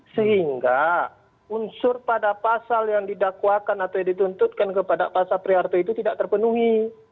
sehingga unsur pada pasal yang didakwakan atau dituntutkan kepada pasapri harto itu tidak terpenuhi